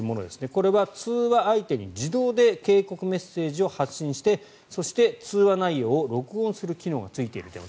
これは通話相手に自動で警告メッセージを発信してそして、通話内容を録音する機能がついている電話。